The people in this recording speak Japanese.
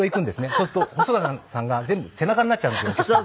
そうすると細川さんが全部背中になっちゃうんですよ。